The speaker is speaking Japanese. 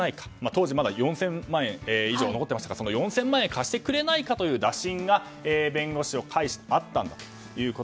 当時４０００万円以上残っていましたから４０００万円貸してくれないかという打診が弁護士を介してあったと。